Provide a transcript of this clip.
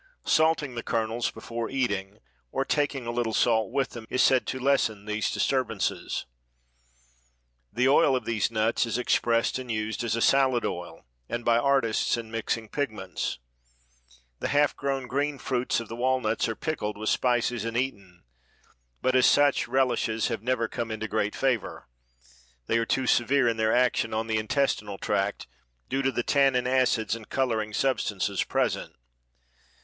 Salting the kernels before eating or taking a little salt with them is said to lessen these disturbances. The oil of these nuts is expressed and used as a salad oil and by artists in mixing pigments. The half grown green fruits of the walnuts are pickled with spices and eaten, but as such relishes have never come into great favor. They are too severe in their action on the intestinal tract, due to the tannin, acids and coloring substances present.